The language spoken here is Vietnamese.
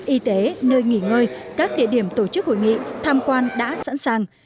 y tế nơi nghỉ ngơi các địa điểm tổ chức hội nghị tham quan đã sẵn sàng